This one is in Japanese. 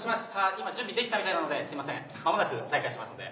今準備できたみたいなので間もなく再開しますので。